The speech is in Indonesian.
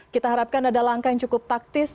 kita harapkan ada langkah yang cukup taktis